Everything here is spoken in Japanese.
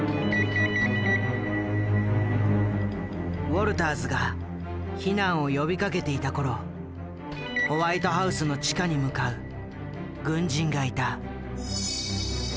ウォルターズが避難を呼びかけていた頃ホワイトハウスの地下に向かう軍人がいた。